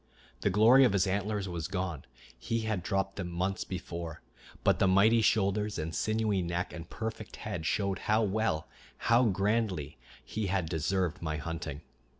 The glory of his antlers was gone; he had dropped them months before; but the mighty shoulders and sinewy neck and perfect head showed how well, how grandly he had deserved my hunting.